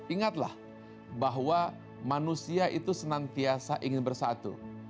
ingatlah bahwa manusia itu senantiasa ingin bersatu